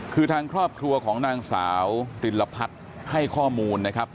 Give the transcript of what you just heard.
คือทางครอบครัวของนางสาวรินลพัฒน์ให้ข้อมูลนะครับ